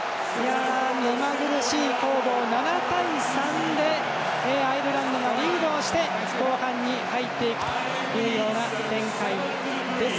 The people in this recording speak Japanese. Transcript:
目まぐるしい攻防７対３でアイルランドがリードして後半に入っていくというような展開です。